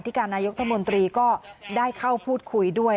การนายกรัฐมนตรีก็ได้เข้าพูดคุยด้วย